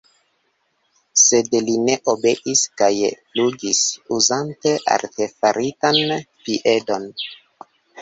Sed li ne obeis kaj flugis, uzante artefaritan piedon.